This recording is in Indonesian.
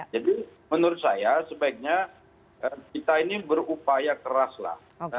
jadi menurut saya sebaiknya kita ini berupaya keras lah